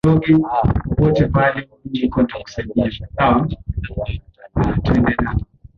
aa nairobi hapo nchini kenya bila shaka tutawasiliana tena wakati mwingine